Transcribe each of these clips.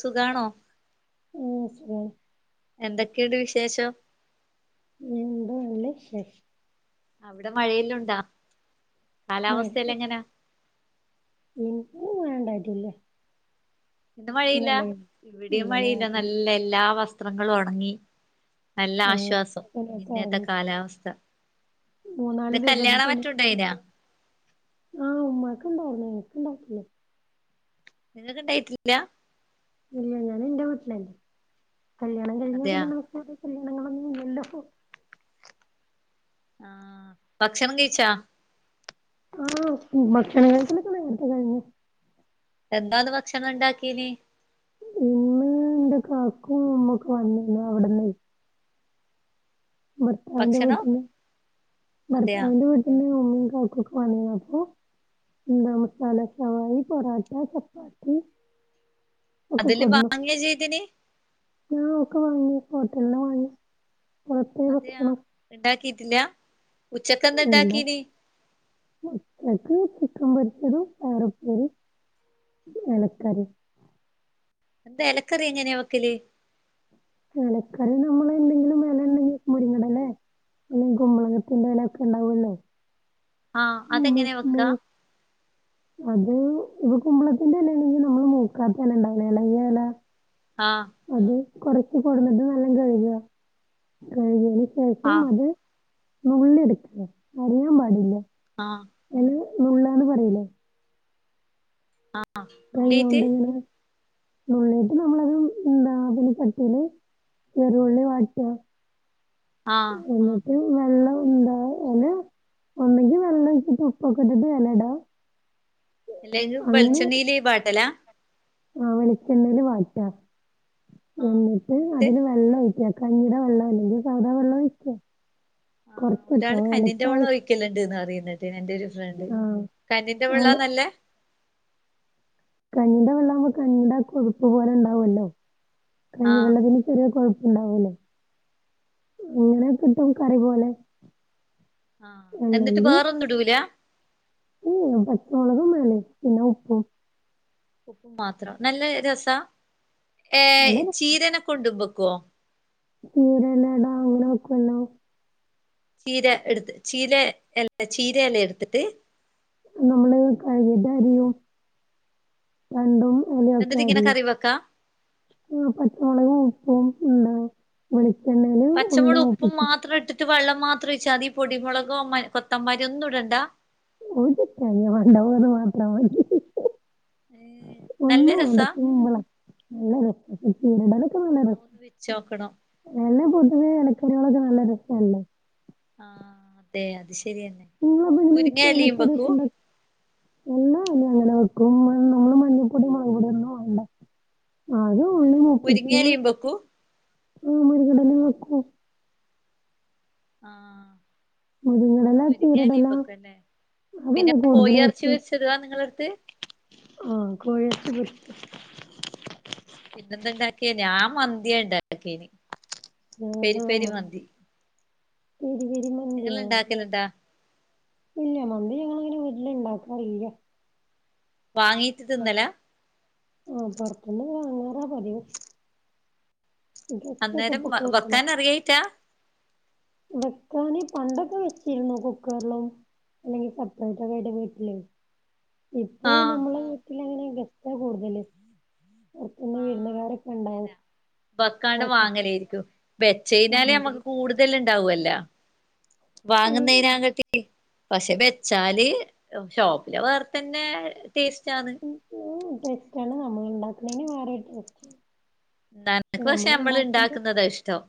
സുഖാണോ? ഉം സുഖ. എന്തൊക്കെണ്ട് വിശേഷം? ഉം ന്താ നല്ല വിശേഷം അവടെ മഴെല്ലുണ്ടാ കാലാവസ്ഥല്ലാ എങ്ങനാ? ഇന് ക്ക് ഞാണ്ടാക്ക്യെല്ലോ ഇന്ന് മഴയില്ല ഇവടിം മഴയില്ല നല്ല എല്ലാ വസ്ത്രങ്ങളൊണങ്ങി. നല്ലാശ്വാസം ഇല്ലെന്ന് പറഞ്ഞു. ആഹ് ഇന്നത്തെ ഒറങ്ങി കാലാവസ്ഥ മൂന്നാല് ഇന്ന് ദിവസത്തെ കല്ല്യാണ തുണി മറ്റുണ്ടായിനാ? ആഹ് ഉമ്മക്ക്ണ്ടായിര്ന്ന് എനക് ണ്ടായിട്ടില്ല. നിങ്ങക്ക്ണ്ടായിട്ടില്ല. ഇല്ല ഞാന് ന്റെ വീട്ടിലല്ലേ കല്യാണം കഴിഞ്ഞാ അതെയാ പിന്നെ നമക്ക് വടെ കല്യാണങ്ങളൊന്നു ല്ലല്ലോ. ആഹ് ഭക്ഷണം കഴിച്ചാ? ആഹ് ഭക്ഷണ കഴിക്കലൊക്കെ നേർത്തെ കയ്ഞ്. എന്താന്ന് ഭക്ഷണം ണ്ടാക്കീനി? ഇന്ന് ന്റെ കാക്കു ഉമ്മൊക്കെ വന്നിന്നു അവ്ട്ന്നെ ഭർത്താവിന്റെ ഭക്ഷണം വീട്ട്ന്ന് അതെയാ ഭർത്താവിന്റെ വീട്ട്ന്ന് ഉമ്മിം കാക്കൊക്കെ വന്നീനു അപ്പോ എന്താ മസാല ശമായി, പൊറോട്ട, ചപ്പാത്തി ഒക്കെ അതെല്ലാം വാങ്ങ്യാ ചെയ്തിനി? ആഹ് ഒക്കെ വാങ്ങി ഹോട്ടൽന്നാവാങ്ങ്യെ? അതെയാ ഇണ്ടാക്കീട്ടില്ല ഉച്ചക്കെന്താ എന്താ ണ്ടാക്കീനി. ഉച്ചക്ക് ചിക്കൻ പൊരിച്ചതും പയറുപ്പേരിം എലക്കറിം എന്താ എലക്കറി ഇങ്ങനെ വെക്കല്? ഇലക്കറി നമ്മളെന്തെങ്കിലും എലണ്ടെങ്കി മുരിങ്ങടലെ അല്ലെ കുമ്പളങ്ങത്തിന്റെ എലക്കെണ്ടാവൊല്ലോ ആഹ് അതെങ്ങനെ വെക്ക? അത് ഇത് കുമ്പളത്തിൻ്റെലെണെങ്കി നമ്മള് മൂക്കാത്തെലണ്ടാവൂലെ എളയ്യെല ആഹ് അത് കൊർച്ച് കൊട്ന്നത് നല്ലാം കഴ്ക കഴ്കെയ്ന് ശേഷം ആഹ് അത് നുള്ളിട്ക്ക അരിയാൻ പാടില്ല. ആഹ് എല നുള്ളന്ന് പറിലേ ആഹ് നുള്ളീറ്റ് നുള്ളിട്ട് നമ്മളത് എന്താ പിന്നെ ചട്ടില് ചരുള്ളി വാട്ട ആഹ് [unintelligible] ഒരു വെള്ളവുണ്ടാ അനെ ഒന്നെങ്കി വെള്ളവൊഴിച്ച് ഉപ്പൊക്കെട്ടിട്ട് [unintelligible] എല്ലെത് വെളിച്ചെണ്ണേല് വാട്ടലാ ആഹ് വെളിച്ചെണ്ണേല് വാട്ടാ എന്നിട്ട് അതില് വെള്ളം ഒഴിക്ക കഞ്ഞീടെ വെള്ളം അല്ലെങ്കി സാദാ വെള്ളം ഒഴിച്ചോ കൊറച്ച് ഇട്ടോ വേണോങ്കി ആവശ്യ ക്കല്ണ്ട്ന്ന് അറിയുന്നത് എന്റെ ഒരു ഫ്രണ്ട് ആ കഞ്ഞിന്റെ എല വെള്ളന്നല്ലേ കഞ്ഞിന്റെ വെള്ളംആകുമ്പോ കഞ്ഞിയുടെ കൊഴുപ്പ് പോലെ ഉണ്ടാവുമല്ലോ ആഹ് കഞ്ഞിവെള്ളത്തിന് ചെറിയ കൊഴുപ്പുണ്ടാവുല്ലേ ഇങ്ങനെ കിട്ടും കറി പോലെ ആഹ് എന്നിട്ട് വേറൊന്നും ഇടൂല ഏഹ് പച്ചമുളകും [unintelligible] പിന്നെ ഉപ്പും ഉപ്പും മാത്രം നല്ല രസ ഏഹ് നല്ല ചീരനെ കൊണ്ടും വെക്കോ? ഈ ഒരെലേട അങ്ങനെ വെക്കുവല്ലോ ചീര എടുത്ത് ചീര എല ചീര എല എടുത്തിട്ട് നമ്മള് കയികധരിയൊ രണ്ടും ഉളിയൊക്കെ എന്നിട്ട് ഇങ്ങനെ അരിയ കറി വെക്കാ ആഹ് പച്ചമുളകും ഉപ്പും ഉണ്ടാവും വെളിച്ചെണ്ണേല് ഉള്ളി മൂപ്പിക്ക ഇട്ട വെള്ളം മാത്രം ഒഴിച്ചാൽ മതി പൊടി മുളകോ കൊത്തന്മാരി ഒന്നും ഇടണ്ട [unintelligible] മാത്രം മതി ഏഹ് ഫുള്ളും നല്ല ഉണ്ട് രസാ കുമ്പളം നല്ലത അതൊന്ന് [unintelligible] വെച്ചോക്കണം എല പൊതുവെ എലക്കറികളൊക്കെ നല്ല രസവല്ലേ ആഹ് അതെ അത് ശരിയാണ് നിങ്ങളപ്പ എങ്ങനെ എലക്കറികളൊക്കെ ഇണ്ടാ എല്ലാ എലയും അങ്ങനെ വെക്കും നമ്മള് മഞ്ഞപ്പൊടി മൊളക്പൊടി ഒന്നും ഇടെണ്ട അത് ഉള്ളി മൂപ്പിച്ച് മുരിങ്ങയിലയും വെക്കൂ മുരിങ്ങെടെലെയും വെക്കും ആഹ് മുരിങ്ങെടെല ചീരെടെല മുരിങ്ങയിലയും വെക്കുംല്ലേ പിന്നെ പോയി ഇറച്ചി വെച്ചരുവാ നിങ്ങളടുത്ത് ആഹ് കോഴി ഇറച്ചി പൊരിച്ച് പിന്നെന്തുണ്ടാക്കിയ ഞാൻ മന്തിയ ഉണ്ടാക്കിയന് ആഹ് [unintelligible] നിങ്ങള് ഇണ്ടാക്കലുണ്ടാ ഇല്ല മന്തി ഞങ്ങള് അങ്ങനെ വീട്ടിലുണ്ടാക്കാറില്ല വാങ്ങീട്ട് തിന്നല ആഹ് പുറത്തുന്ന് വാങ്ങാറാ പതിവ് [unintelligible] ഇപ്പൊ കൂടുതലാ വേവിച്ചാ വെക്കാന് പണ്ടൊക്കെ വെച്ചിരുന്നു കുക്കറിലും അല്ലെങ്കിൽ സെപ്പറേറ്റ് വടെ വീട്ടിലേ ഇപ്പൊ ആഹ് നമ്മളെ വീട്ടില് അങ്ങനെ ഗസ്റ്റ കൂടുതല് പൊറത്ത്ന്ന് ആഹ് അങ്ങന വിരുന്നുകാരൊക്കെണ്ടാവും ബക്കാണ്ട് വാങ്ങലായിരിക്കും വെച്ചതിനാലെ നമുക്ക് ആഹ് കൂടു തല് ഉണ്ടാവുവല്ലോ ആഹ് വാങ്ങുന്നതിനകാട്ടി പക്ഷെ വെച്ചാല് ഷോപ്പിലെ വേറെത്തന്നെ ടേസ്റ്റ് ആണ്. ഉം ടേസ്റ്റ് ആണ് നമ്മൾ ഉണ്ടാക്കുന്നതിന് വേറെ ഒരു ടേസ്റ്റ് [unintelligible] പക്ഷെ നമ്മൾ ഇണ്ടാക്കുന്നതാ ഇഷ്ടം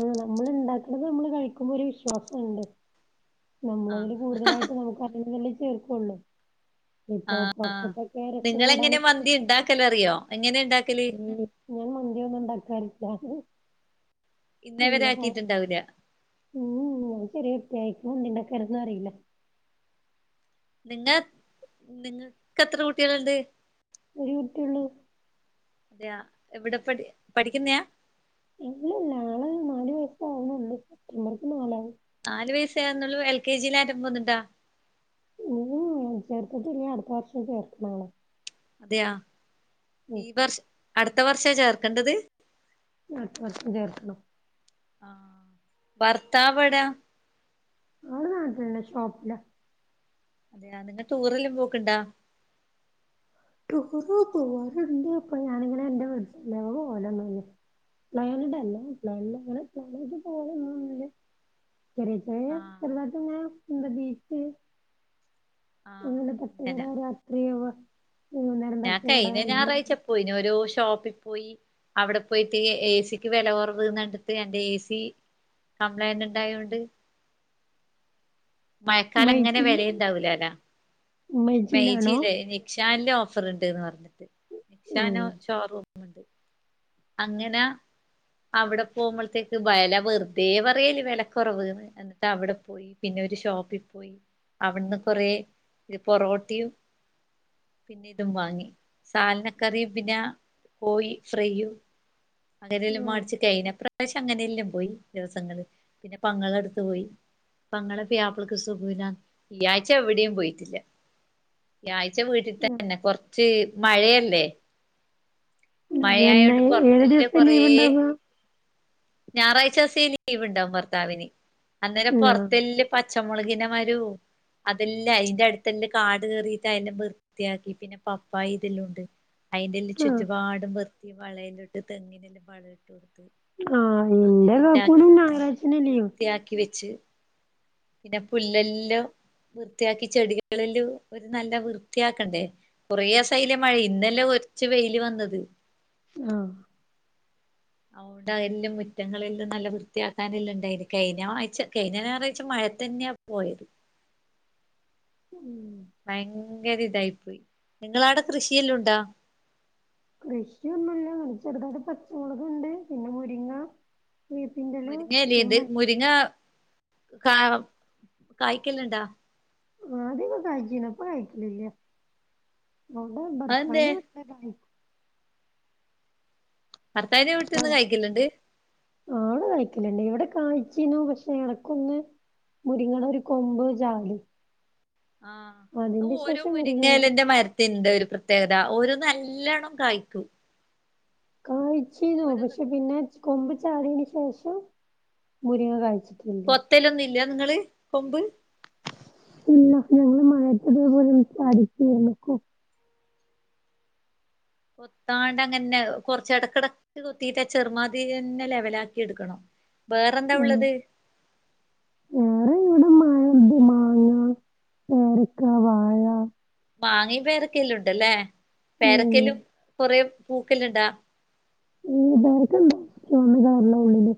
ആഹ് നമ്മൾ ഇണ്ടാക്കണത് നമ്മള് കഴിക്കുമ്പോ ഒരു വിശ്വാസം ഉണ്ട് ആഹ് നമ്മളതില് കൂടുതലായിട്ട് നമുക്ക് അറിയുന്നതല്ലേ ചേർക്കുള്ളൂ ആഹ് ആഹ് നിങ്ങൾ എങ്ങനെ മന്തി ഉണ്ടാക്കലറിയോ എങ്ങനെ ഉണ്ടാക്കല് ഞാൻ മന്തി ഒന്നും ഉണ്ടാക്കാറില്ല ഇന്നേവരെ ആക്കിയിട്ടുണ്ടാവില്ല ഉം ചെറിയ കേക്കുണ്ടാക്കാനൊന്നും അറിയില്ല പിന്നെ നിങ്ങക്ക് എത്ര കുട്ടികളുണ്ട് ഒരൂട്ട്യോള്ളൂ ഞാൻ എവിടെ പഠി പഠിക്കുന്നയാ ഇല്ലല്ലാള് [unintelligible] അവർക്ക് നാലായി നാല് വയസേ ആകുന്നുള്ളൂ എൽ കെ ജിൽ അൻ പോകുന്നുണ്ടോ? ഉം ചേർത്തിട്ടില്ല അടുത്ത വർഷം ചേർക്കണം തെയോ ഉം ഈ വർഷ അടുത്ത വർഷ ചേർക്കേണ്ടത് അട്ത വർഷം ചേർക്കണം ആഹ് ഭർത്താവ് എവിട അവിടെ നാട്ടിലന്നെ ഷോപ്പില അതേ നിങ്ങ ടൂറെല്ലാം പോക്കണ്ടാ ടൂർ പോവാറുണ്ട് ഇപ്പോ ഞാനങ്ങനെ [inaudible] [unintelligible] ചെറിയ ചെറിയ ആഹ് ചെറുതാട്ടങ്ങനെ [unintelligible] അങ്ങനെ [unintelligible] വൈകുന്നേരം ഞാൻ തട്ടുകട കഴിഞ്ഞ അല്ലെങ്കിൽ ഞായറാഴ്ച പോയി, ഓരോ ഷോപ്പിൽ പോയി അവിടെ പോയിട്ട് എ സി ക്ക് വില കുറവൂന്ന്ണ്ടിട്ട് എന്റെ എ സി കംപ്ലൈൻ്റ് ണ്ടായോണ്ട് മഴക്കാലം ങ്ങനെ മൈജിൽ വരേണ്ടാവ് ല ല്ലോ മൈജിയിലാണോ മൈജിയില്ലേ നിക്ഷാൻൽ ഓഫർ ണ്ട്ന്ന് പറഞ്ഞിട്ട് ഉം നിക്ഷാനോ ഷോറൂം അങ്ങനെ അവിടെ പോകുമ്പൾത്തേക്ക് വില വെറുതെ പറയുക വിലക്കുറവേന്ന് എന്നിട്ടവിടെ പോ പിന്നെ ഒരു ഷോപ്പിൽ പോയി അവിടുന്ന് കൊറേ പൊറോട്ടയും പിന്നെ ഇതും വാങ്ങി സാലനക്കറിയും പിന്നെ കോഴി ഫ്രൈയും അങ്ങനല്ലാം മാടിച്ച് കഴിഞ്ഞ പ്രാവശ്യം അങ്ങനെയെല്ലാം പോയി ദിവസങ്ങള് പിന്നെ പങ്ങളടുത്ത് പോയി പങ്ങളെ പുയാപ്ളക്ക് സുഖോല്ല ഈ ആഴ്ച എവിടെയും പോയിട്ടില്ല. ഈയാഴ്ച ആഹ് വീട്ടിത്തന്നെ കൊറച്ച് മഴയല്ലേ എന്നാ മഴയായോണ്ട് ഏഴ് പൊറത്തെല്ലാം ദിവസത്തെ ലീവ് ണ്ടാവാ ഞായറാഴ്ചസം ഈ ലീവ് ണ്ടാഉം ഭർത്താവിന് അന്നേരം ആഹ് പുറത്തെല്ല് പച്ചമുളകിൻ്റെ മരവും അതെല്ലാം അയ്ന്റെടുത്തെല്ലാ കാട് കേറീട്ട് അയിൻ്റ വ്ർ ത്തിയാക്കി പിന്നെ പപ്പായ ഇതെല്ലുണ്ട് അയ്ന്റെല്ലാം ആഹ് ചുറ്റുപാടും വൃത്തി വളവും ഇട്ട് തെങ്ങിനെല്ലാം വളവും ഇട്ട് കൊടുത്ത് ആഹ് എന്റെ ആകെക്കൂടി ഞായറാഴ്ച ലീ്വ് ത്യായാക്കി വെച്ച് പിന്നെ പുല്ലെല്ലോ വൃത്തിയാക്കി ചെടികളിലെല്ലു ഒരു നല്ല വൃത്തിയാക്കണ്ടേ കുറേസയില്ലേ മഴ, ഇന്നല്ലേ കുറച്ച് വെയില് വന്നത് ആഹ് ആഹ് ഉണ്ട് അഎല്ലു മുറ്റങ്ങളെല്ലാം നല്ല വൃത്തിയാക്കാനെല്ലാം ഉണ്ടായിന് കഴിഞ്ഞാഴ്ച കഴിഞ്ഞ ഞായറാഴ്ച്ച മഴ തന്നെയാ പോയ ഉം ഭയങ്കര ഇതായി പോയി നിങ്ങളടെ കൃഷിയെല്ലാം ഉണ്ടോ കൃഷിയൊന്നുല്ല പിന്നെ ചെറുതായിട്ട് പച്ചമുളകുണ്ട് പിന്നെ മുരിങ്ങ വേപ്പിന്റെല മുരിങ്ങഎല ഇണ്ട് മുരിങ്ങ കാ കായ്ക്കു ന്നുണ്ടാ ആദ്യം ഒക്കെ കായ്ച്ചീന്ന് ഇപ്പം കായ്ക്കലുല്ല അവിടെ അതെന്തേ ഭർത്താവിന്റെ വീട്ടിലെ കായി ഭർത്താവിന്റെ വീട്ടീന്ന് കായിക്കുന്നുണ്ട് ആടെ കഴിക്കലുണ്ട് ഇവിടെ കായ്ചിനു പക്ഷെ എടക്കൊന്ന് മുരിങ്ങേടെ ഒരു കൊമ്പ് ജാടി ആഹ് ഓരോ ശേഷം മുരിങ്ങ മുരിങ്ങേലെന്റെ മര് തിന്റെ ഒരു പ്രത്യേകത ഒരു നല്ലവണ്ണം കായ്ക്കും കായ്യ്ച്ചിനു ഓരോന്ന് പക്ഷെ പിന്നെ കൊമ്പ് ചാടിയെന് ശേഷം മുരിങ്ങ കായ്ച്ചി കൊത്തലൊന്നും ഇല്യ നിങ്ങള് കൊമ്പ് ഇല്ല ഞങ്ങള് മയത്തിതുപോലെ സാധിക്കുകയില്ല കൊ കൊത്താണ്ട് അങ്ങനെ കൊർച്ച് എടക്ക്ടക്ക് കൊത്തിറ്റ് ചെറുമാതിരി ന്നെ ലെവലാക്കിട്ക്കണം ബേറെന്താ ആഹ് ഉള്ളത് അൺണ്ടിമാങ്ങാ പേരക്ക വാഴ മാങ്ങയും പേരക്കെല്ലേണ്ട്ല്ലേ ഉം പേരക്കേലും കൊറേ പൂക്കല്ണ്ടാ ഉം പേരക്കണ്ട എന്ത് കളർലാ ഉള്ളില്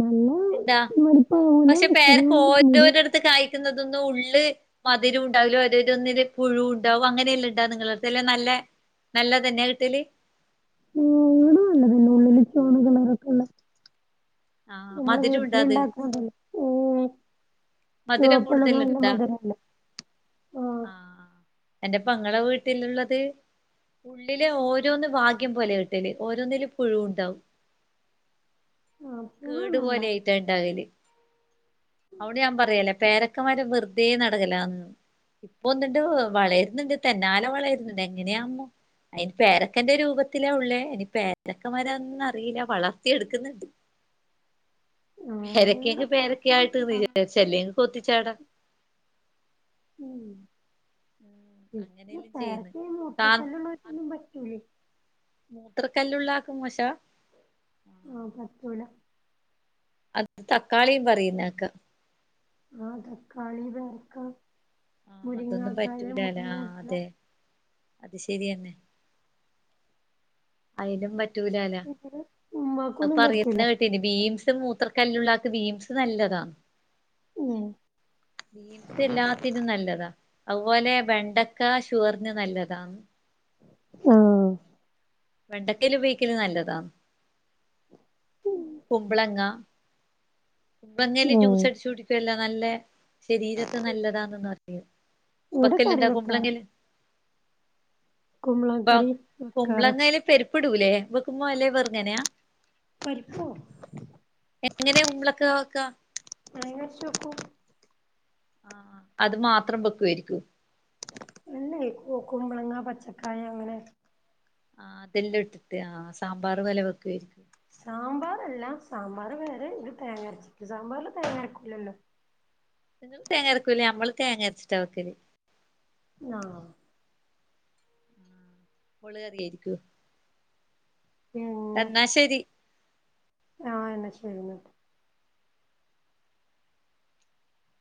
നല്ല എന്താ വെളുപ്പാവൂല പക്ഷെ ഒരു പേരക്ക ഒരു ഓരോരോട്ത്ത് കായിക്കുന്നതൊന്നും ഉള്ള് മധുരുണ്ടാവില്ല ഓരോരോന്നിലും പുഴു ണ്ടാവും അങ്ങനെല്ലാണ്ടാ നിങ്ങളട്ത്ത് അല്ലെ നല്ലെ നല്ലതന്നെ കിട്ടല് മൂട് നല്ലതന്നെ [unintelligible] ആഹ് മത്ൽ ലെണ്ടാക്കോണ്ടയ് മദരം ചുവപ്പുള്ളത് നല്ല കൂടുതല്ണ്ടാ മധുരല്ലേ ആഹ് ആഹ് എന്റെ പെങ്ങളെ വീട്ടില്ള്ളത് ഉള്ളിലെ ഓരോന്ന് ഭാഗ്യം പോലെ ക് ട്ടല് ഓരോന്നിലും പുഴുണ്ടാവും ആഹ് പുഴുന്നുണ്ടാവും കേട്പോലെയ്റ്റാ ണ്ടാവല് ഞാപറയല്ലേ പേരക്കമരം വെറ്തെ നടകലാന്ന് ഇപ്പൊ ഒന്ന്ണ്ട് വളര്ന്ന്ണ്ട് തെന്നാല വളര്ന്ന്ണ്ട് എങ്ങനെയാമോ അയ്ന് പേരക്കന്റെ രൂപത്തിലാ ഉള്ളേ എനി പേരക്കമരന്നറീല്ല വളർത്തി എട്ക്ക്ന്ന്ണ്ട് ആഹ് ഇവിടെ പേരക്യങ്ങ്പേരക്യായിട്ട് പുഴുക്കളൊന്നുണ്ടാവും വരുഅല്ലേ തീർച്ചല്ലേ അല്ലങ്കി കൊത്തിച്ചാടാ ഉം ഇപ്പം അങ്ങനെയെല്ലാം ചെയ്യുന്ന് പേരയ്ക്കീ കാ മൂത്രക്കല്ലുള്ളോര് ക്കൊന്നും പറ്റൂലേ മൂത്ര കല്ലുള്ളാൾക്ക് മോശാ ആഹ് പറ്റൂല അത് തക്കാളിം പറയുന്നേക്കാ ആഹ് തക്കാളി പേരക്ക ആഹ് അതൊന്നും മുരിങ്ങാക്കായ പറ്റൂലലാ മുരിങ്ങ ആഹ് ഇല അതെ അത് ശരിയന്നെ അയ്ലും വ റ്റൂലലാ ഇവര് അഅ് ഉമ്മാക്കൊന്നും പറ്റൂല പറയുന്ന കേ പിന്നെ ബീൻസ് മൂത്ര കല്ലുള്ളാക്ക് ബീൻസ് നല്ലതാ ഉം ബീൻസ് എല്ലാത്തിനും നല്ലതാ അഅ്പോലെ വെണ്ടക്ക ഷുഗർന് നല്ലതാ ആഹ് വെണ്ടക്കേല് ബേക്കല് നല്ലതാ കുബ്ലങ്ങ കുബ്ലങ്ങേല് ആഹ് ജ്യൂസട്ച്ച് കുടിക്കുല്ലോ നല്ലെ ശരീരത്ത് നല്ലതാന്നൊന്ന് അറിയു ഇവിടെ കറി ബക്കല്ല്ന്താ വെക്കാറ കുമ്പളങ്ങേല് കുമ്പളങ്ങ കറി ബാക് വെക്കാറ കുമ്പളങ്ങേല് പരിപ്പ്ടൂലേ വെക്ക്മ്പോ അല്ലേ വെറ് തെനെയാ പരിപ്പോ എങ്ങനെ കുബ്ലക്കവെക്കാ തേങ്ങര്ച്ച് വെക്കും ആഹ് അത് മാത്രം വെക്യാരിക്കും ഇല്ലയ് കുമ്പ്ലങ്ങ പച്ചക്കായ അങ്ങനെ ആഹ് തെല്ലാംട്ട്ട്ട്ആഹ് സാമ്പാർ പോലെ വെക്യായിര്ക്കും സാമ്പാറല്ല സാമ്പാർ വേറേ ത് തേങ്ങര ച്ച്ക്ക് സാമ്പാർല് തേങ്ങരക്കൂല്ലല്ലോ ങ്ങൾ തേരക്കൂല്ലേ അമ്മള് തേങ്ങര്ച്ചിട്ടാ വെക്കല് ആഹ് മൊളക് കറിയായിരിക്കും പിന്നെ എന്നാ ശരി ആഹ് എന്നാ ശരി